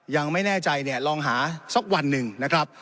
ยังไม่แน่ใจเนี่ยลองหาสักวันหนึ่งนะครับ